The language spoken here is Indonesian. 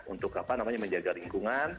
untuk apa namanya menjaga lingkungan